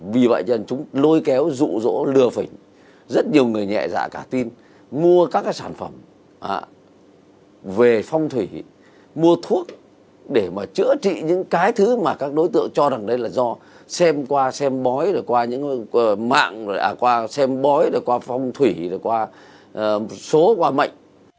vì vậy nên chúng lôi kéo rụ rỗ lừa phỉnh rất nhiều người nhẹ dạ cả tin mua các sản phẩm về phong thủy mua thuốc để mà chữa trị những cái thứ mà các đối tượng cho rằng là do xem qua xem bói qua những mạng qua xem bói qua phong thủy qua số qua mệnh